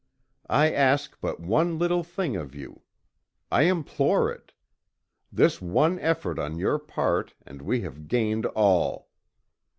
I ask but one little thing of you. I implore it. This one effort on your part, and we have gained all.